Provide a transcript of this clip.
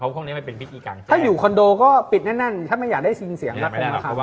เล็กเล็กเล็กเล็กเล็กเล็กเล็กเล็กเล็กเล็กเล็กเล็กเล็กเล็กเล็ก